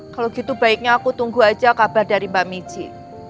kalau gitu baiknya aku tunggu aja kabar dari mbak mici